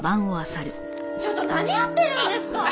ちょっと何やってるんですか！？